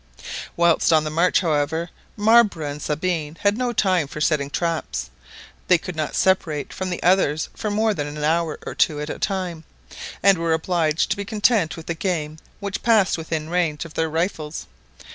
Whilst on the march however, Marbre and Sabine had no time for setting traps. They could not separate from the others for more than an hour or two at a time, and were obliged to be content with the game which passed within range of their rifles.